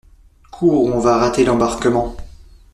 Cours ou on va rater l'embarquement!